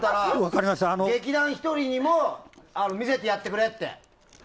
劇団ひとりにも見せてやってくれって。